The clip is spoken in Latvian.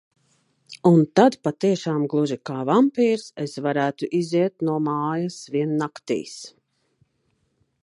Un tad patiešām gluži kā vampīrs es varētu iziet no mājas vien naktīs.